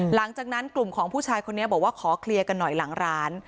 หลังจากนั้นกลุ่มของผู้ชายคนนี้บอกว่าขอเคลียร์กันหน่อยหลังร้าน